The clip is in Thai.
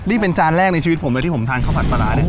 นี่เป็นจานแรกในชีวิตผมเลยที่ผมทานข้าวผัดปลาร้าเนี่ย